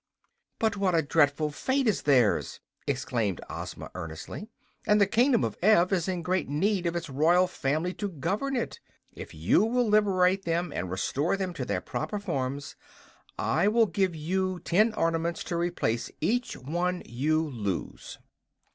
"But what a dreadful fate is theirs!" exclaimed Ozma, earnestly. "And the Kingdom of Ev is in great need of its royal family to govern it. If you will liberate them, and restore them to their proper forms, I will give you ten ornaments to replace each one you lose."